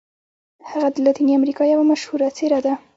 هغه د لاتیني امریکا یوه مشهوره څیره ده.